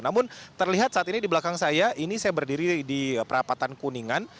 namun terlihat saat ini di belakang saya ini saya berdiri di perapatan kuningan